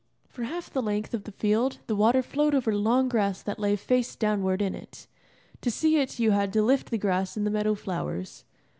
For half the length of the field the water flowed over long grass that lay face downward in it. To see it you had to lift the grass and the meadow flowers.